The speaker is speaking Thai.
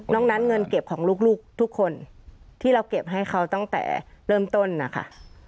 นั้นเงินเก็บของลูกทุกคนที่เราเก็บให้เขาตั้งแต่เริ่มต้นนะคะ